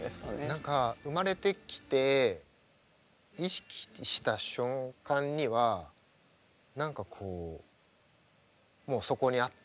何か生まれてきて意識した瞬間には何かこうもうそこにあって。